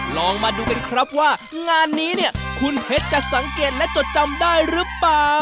ลองมาดูขนาดนี้คุณเฮ็ดจะจำได้หรือไม่